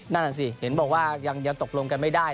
นั่นน่ะสิเห็นบอกว่ายังตกลงกันไม่ได้